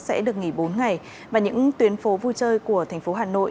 sẽ được nghỉ bốn ngày và những tuyến phố vui chơi của thành phố hà nội